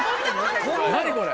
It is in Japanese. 何これ。